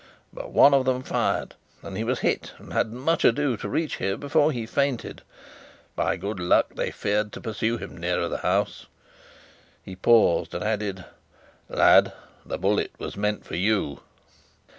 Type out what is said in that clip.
But one of them fired, and he was hit, and had much ado to reach here before he fainted. By good luck, they feared to pursue him nearer the house." He paused and added: "Lad, the bullet was meant for you."